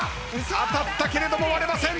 当たったけれども割れません。